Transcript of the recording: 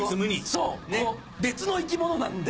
こう別の生き物なんで。